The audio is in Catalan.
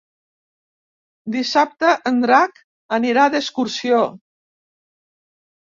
Dissabte en Drac anirà d'excursió.